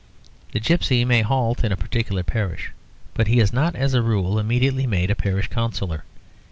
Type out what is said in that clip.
The gipsy may halt in a particular parish, but he is not as a rule immediately made a parish councillor.